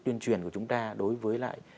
tuyên truyền của chúng ta đối với lại